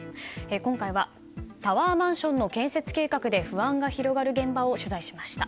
今回はタワーマンションの建設計画で不安が広がる現場を取材しました。